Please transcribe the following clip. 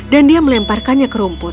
dan dia melemparkannya ke rumput